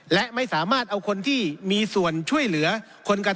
และไม่สามารถเอาคนที่มีส่วนช่วยเหลือคนกระทำผิดมาลงโทษได้